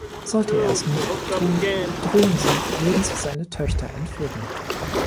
Sollte er es nicht tun, drohen sie, würden sie seine Töchter entführen.